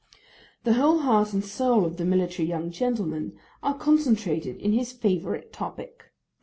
The whole heart and soul of the military young gentleman are concentrated in his favourite topic.